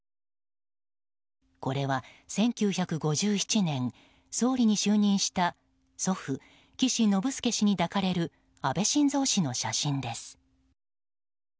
これは、１９５７年総理に就任した祖父岸信介氏に抱かれる安倍晋三氏の写真です。